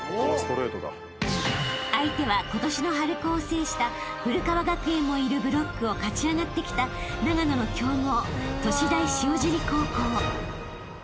［相手は今年の春高を制した古川学園もいるブロックを勝ち上がってきた長野の強豪］